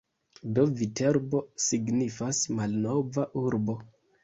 Do Viterbo signifas "malnova urbo".